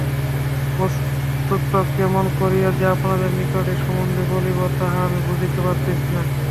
বস্তুত কেমন করিয়া যে আপনাদের নিকট এ-সম্বন্ধে বলিব, তাহা আমি বুঝিতে পারিতেছি না।